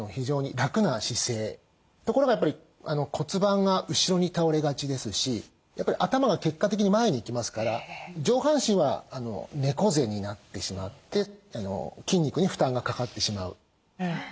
ところがやっぱり骨盤が後ろに倒れがちですしやっぱり頭が結果的に前にいきますから上半身は猫背になってしまって筋肉に負担がかかってしまう。